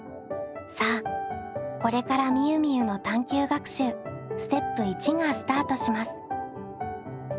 さあこれからみゆみゆの探究学習ステップ①がスタートします。